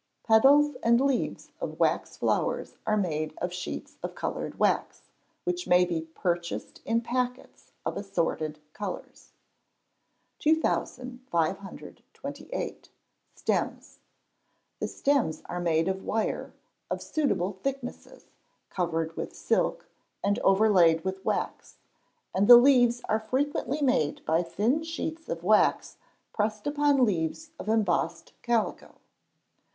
Petals and leaves of wax flowers are made of sheets of coloured wax, which may be purchased in packets of assorted colours. 2528. Stems. The stems are made of wire of suitable thicknesses, covered with silk, and overlaid with wax; and the leaves are frequently made by thin sheets of wax pressed upon leaves of embossed calico.